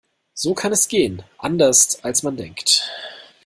So kann es gehen. Anderst als man denkt.